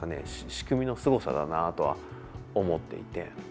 仕組みのすごさだなとは思っていて。